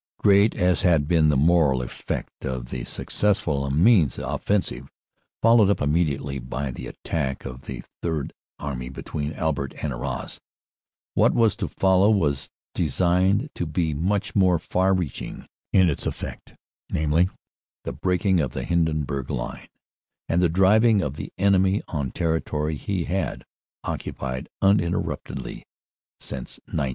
Great as had been the moral effect of the successful Amiens offensive, followed up immediately by the attack of the Third Army between Albert and Arras, what was to follow was designed to be much more far reaching in its effect, namely, the breaking of the Hindenburg line and the driving in of the enemy on territory he had occupied uninterruptedly since 1914.